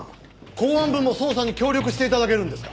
公安部も捜査に協力して頂けるんですか？